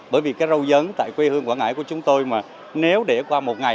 bởi vì cái rau dấn tại quê hương quảng ngãi của chúng tôi mà nếu để qua một ngày